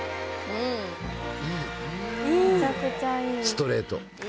ストレート。